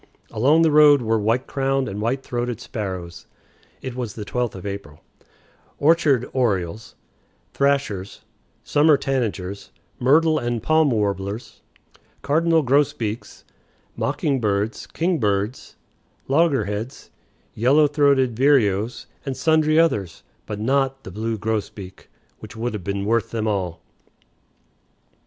Along the road were white crowned and white throated sparrows (it was the 12th of April), orchard orioles, thrashers, summer tanagers, myrtle and paim warblers, cardinal grosbeaks, mocking birds, kingbirds, logger heads, yellow throated vireos, and sundry others, but not the blue grosbeak, which would have been worth them all.